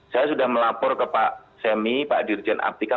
saya sudah melapor ke pak semi pak dirjen aptika